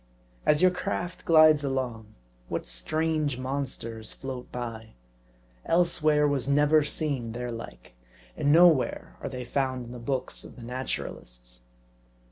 As your craft glides along, what strange monsters float by. Elsewhere, was never seen their like. And nowhere are they found in the books of the naturalists.